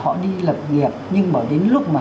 họ đi lập nghiệp nhưng mà đến lúc mà